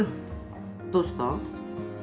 どうした？